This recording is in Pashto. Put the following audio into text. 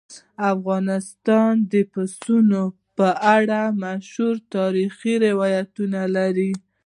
افغانستان د پسونو په اړه مشهور تاریخي روایتونه لري.